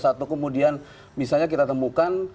satu kemudian misalnya kita temukan